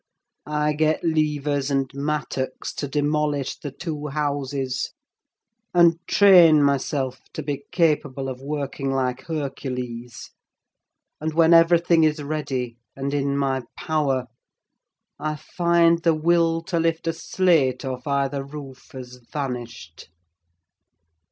I get levers and mattocks to demolish the two houses, and train myself to be capable of working like Hercules, and when everything is ready and in my power, I find the will to lift a slate off either roof has vanished!